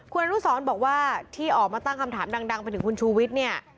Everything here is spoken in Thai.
คุณอนุสรบอกว่าที่ออกมาตั้งคำถามดังไปถึงคุณชูวิทย์เนี่ย